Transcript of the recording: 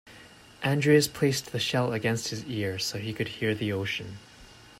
Andreas placed the shell against his ear so he could hear the ocean.